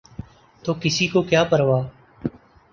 تو کسی کو کیا پروا؟